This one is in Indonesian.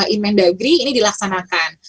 inmen dagri ini dilaksanakan